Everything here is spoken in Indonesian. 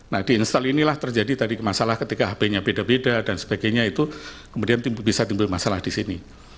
nah di install inilah terjadi tadi masalah ketika hb nya beda beda dan sebagainya itu kemudian bisa timbul masalah di sini